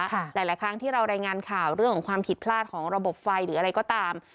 หลายครั้งที่เรารายงานข่าวเรื่องของความผิดพลาดของระบบไฟหรืออะไรก็ตาม